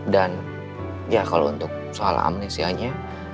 dan ya kalau untuk soal amnesianya